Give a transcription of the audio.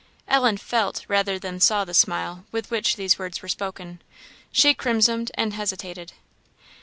Ellen felt rather than saw the smile with which these words were spoken. She crimsoned and hesitated.